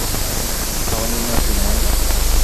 Ha oñemyatymói.